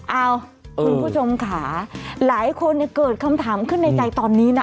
เอาคุณผู้ชมขาหลายคนเนี้ยเกิดคำถามขึ้นในใจตอนนี้น่ะ